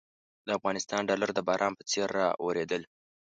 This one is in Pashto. له افغانستانه ډالر د باران په څېر رااورېدل.